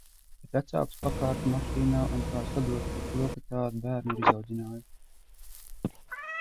Bet vecākus pakārtu mašīnā un tā sadotu par to, ka tādu bērnu ir izaudzinājuši.